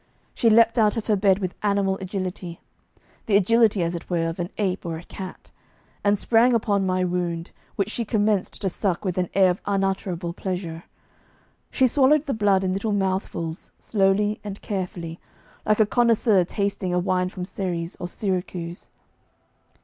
She leaped out of her bed with animal agility the agility, as it were, of an ape or a cat and sprang upon my wound, which she commenced to suck with an air of unutterable pleasure. She swallowed the blood in little mouthfuls, slowly and carefully, like a connoisseur tasting a wine from Xeres or Syracuse.